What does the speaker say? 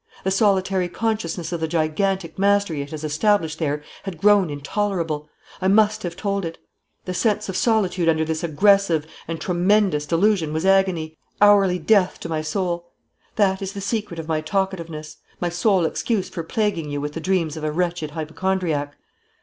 The solitary consciousness of the gigantic mastery it has established there had grown intolerable; I must have told it. The sense of solitude under this aggressive and tremendous delusion was agony, hourly death to my soul. That is the secret of my talkativeness; my sole excuse for plaguing you with the dreams of a wretched hypochondriac."